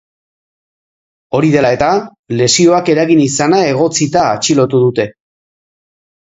Hori dela eta, lesioak eragin izana egotzita atxilotu dute.